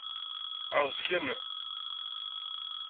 Ɛeẓgen?